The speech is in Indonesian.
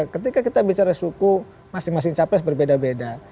ketika kita bicara suku masing masing capres berbeda beda